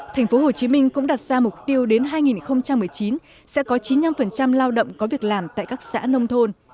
tp hcm cũng đặt ra mục tiêu đến hai nghìn một mươi chín sẽ có chín mươi năm lao động có việc làm tại các xã nông thôn